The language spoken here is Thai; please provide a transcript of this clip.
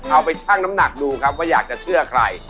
ไปชั่งน้ำหนักดูครับว่าอยากจะเชื่อใคร